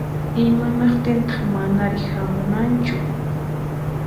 Imanaqtintaq manari hamunmanchu?